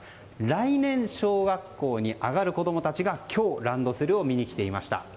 来年小学校に上がる子供たちが今日、ランドセルを見に来ていました。